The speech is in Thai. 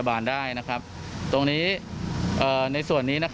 ตรงนี้ในส่วนนี้